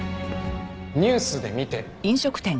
ニュースで見て。